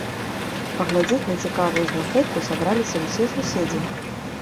Паглядзець на цікавую знаходку сабраліся ўсе суседзі.